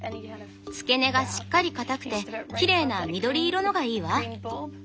付け根がしっかり固くてきれいな緑色のがいいわ。